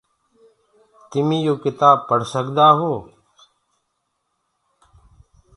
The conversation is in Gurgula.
تمي يو ڪتآب پڙه سڪدآ هي۔